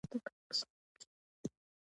مېلمه ته اوبه ژر راوله.